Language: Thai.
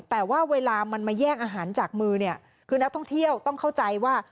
แต่ว่าเวลามันมาแย่งอาหารจากมือเนี่ยคือนักท่องเที่ยวต้องเข้าใจว่า